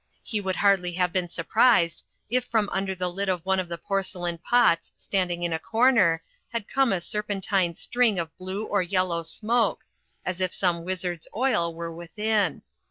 He would hardly have been surprised if from under the lid of one of the porcelain pots standing in a comer had come a serpentine string of , blue or yellow smoke, as if some wizard's oil were within.